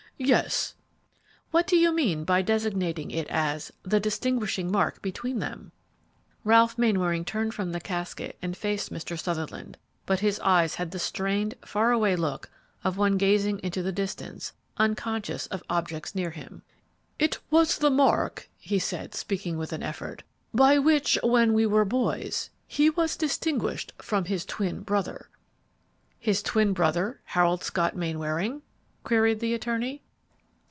"Yes." "What do you mean by designating it as 'the distinguishing mark between them'?" Ralph Mainwaring turned from the casket and faced Mr. Sutherland, but his eyes had the strained, far away look of one gazing into the distance, unconscious of objects near him. "It was the mark," he said, speaking with an effort, "by which, when we were boys, he was distinguished from his twin brother." "His twin brother, Harold Scott Mainwaring?" queried the attorney.